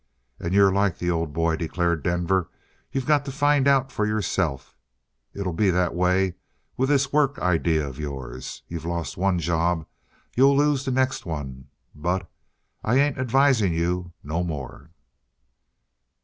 "And you're like the old boy," declared Denver. "You got to find out for yourself. It'll be that way with this work idea of yours. You've lost one job. You'll lose the next one. But I ain't advising you no more!"